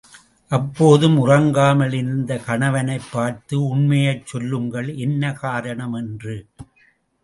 அப்போதும் உறங்காமல் இருந்த கணவனைப் பார்த்து உண்மையைச் சொல்லுங்கள், என்ன காரணம்? என்று.